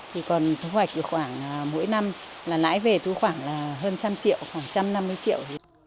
thì còn thu hoạch khoảng mỗi năm là lãi về thu khoảng hơn trăm triệu